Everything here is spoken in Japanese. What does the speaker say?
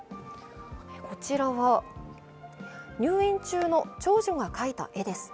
こちらは入院中の長女が描いた絵です。